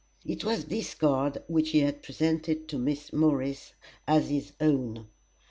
It was this card which he had presented to Miss Morris as his own.